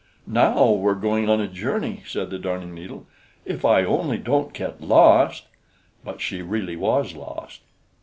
"Now we're going on a journey," said the Darning needle. "If I only don't get lost!" But she really was lost.